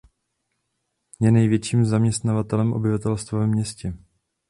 Je největším zaměstnavatelem obyvatelstva ve městě.